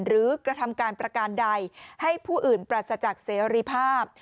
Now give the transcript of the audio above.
กระทำการประการใดให้ผู้อื่นปราศจากเสรีภาพ